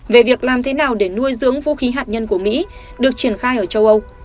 về việc làm thế nào để nuôi dưỡng vũ khí hạt nhân của mỹ được triển khai ở châu âu